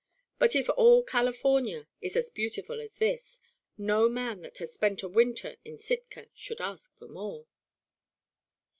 But if all California is as beautiful as this, no man that has spent a winter in Sitka should ask for more."